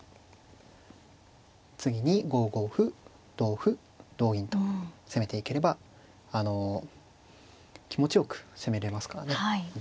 次に５五歩同歩同銀と攻めていければあの気持ちよく攻めれますからね。